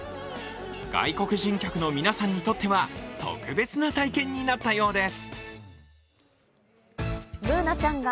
外国人客の皆さんにとっては、特別な体験になったようです。